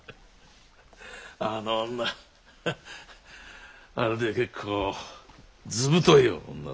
あの女あれで結構ずぶとい女だからな。